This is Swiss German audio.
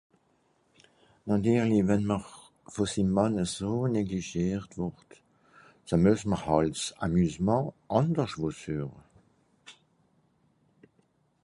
Nàtirlich, wenn m’r vùn sim Mànn eso neglischiert wùrd, ze muess m’r hàlt ’s Amusement àndersch wo sueche.